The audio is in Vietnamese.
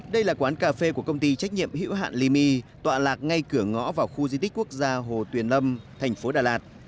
đây là quán cà phê của công ty trách nhiệm hữu hạn limy tọa lạc ngay cửa ngõ vào khu di tích quốc gia hồ tuyền lâm thành phố đà lạt